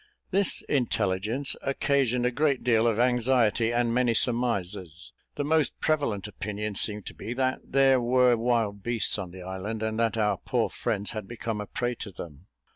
This intelligence occasioned a great deal of anxiety, and many surmises. The most prevalent opinion seemed to be that there were wild beasts on the island, and that our poor friends had become a prey to them.